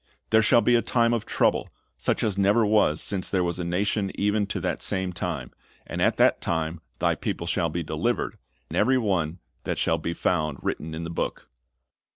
"There shall be a time of trouble, such as never was since there was a nation even to that same time; and at that time Thy people shall be delivered, every one that shall be found written in the book.""